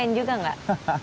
main juga nggak